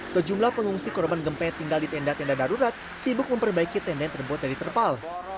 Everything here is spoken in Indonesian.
sejumlah pengungsi korban gempa yang tinggal di tenda tenda darurat sibuk memperbaiki tenda yang terbuat dari terpal